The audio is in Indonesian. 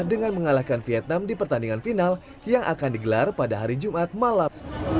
dengan mengalahkan vietnam di pertandingan final yang akan digelar pada hari jumat malam